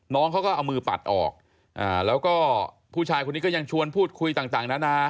น้องเขาก็เอามือปัดออกแล้วก็ผู้ชายคนนี้ก็ยังชวนพูดคุยต่างนานา